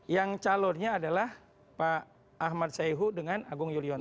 yang calonnya adalah pak ahmad saihu dengan agung yulianto